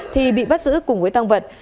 thì bị bắt giữ cùng với tăng vật